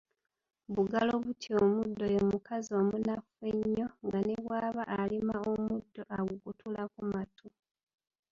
Bugalo butya omuddo ye mukazi omunafu ennyo, nga ne bw'aba alima omuddo agukutulako matu.